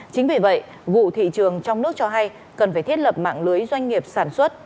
chính vì vậy vụ thị trường trong nước cho hay cần phải thiết lập mạng lưới doanh nghiệp sản xuất